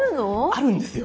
あるんですよ